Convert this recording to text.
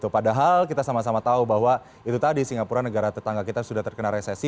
padahal kita sama sama tahu bahwa itu tadi singapura negara tetangga kita sudah terkena resesi